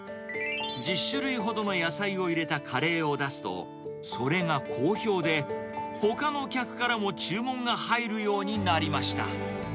１０種類ほどの野菜を入れたカレーを出すと、それが好評で、ほかの客からも注文が入るようになりました。